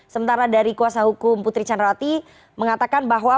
sementara dari kuasa hukum putri candrawati mengatakan bahwa